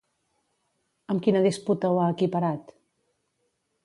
Amb quina disputa ho ha equiparat?